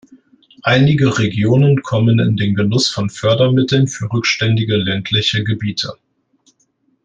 Einige Regionen kommen in den Genuss von Fördermitteln für rückständige ländliche Gebiete.